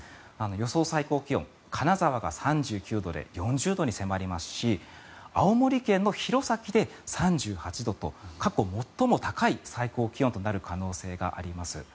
予想最高気温、金沢が３９度で４０度に迫りますし青森県の弘前で３８度と過去最も高い最高気温となる可能性があります。